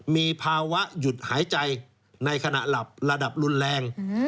มีภาวะหยุดหายใจในขณะหลับระดับรุนแรง